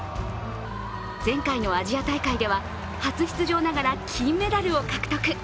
前回のアジア大会では初出場ながら金メダルを獲得。